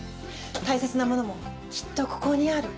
大切なモノもきっとここにある。